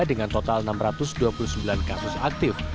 dengan total enam ratus dua puluh sembilan kasus aktif